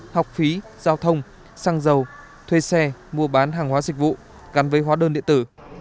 học phí giao thông xăng dầu thuê xe mua bán hàng hóa dịch vụ gắn với hóa đơn điện tử